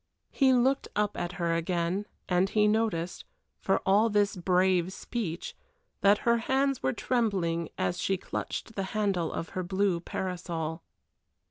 He looked up at her again and he noticed, for all this brave speech, that her hands were trembling as she clutched the handle of her blue parasol.